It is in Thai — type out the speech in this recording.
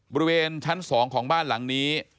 บริเวณชั้น๒ของบ้านหลังนี้